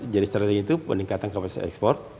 jadi strategi itu peningkatan kapasitas ekspor